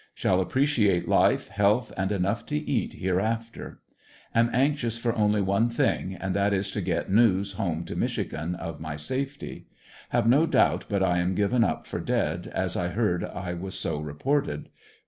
Shall appreciate life, health and enough to eat hereafter Am anxious for only one thing, and that is to get news home to Michigan of my safety. Have no doubt but I am given up for dead, as I heard I was so reported.